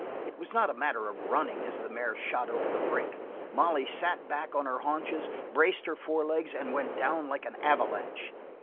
It was not a matter of running as the mare shot over the brink. Molly sat back on her haunches, braced her forelegs, and went down like an avalanche.